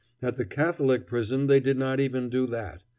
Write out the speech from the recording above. At the Catholic prison they did not even do that.